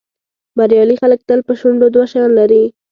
بریالي خلک تل په شونډو دوه شیان لري.